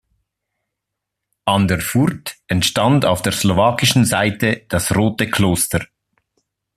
An der Furt entstand auf der slowakischen Seite das Rote Kloster.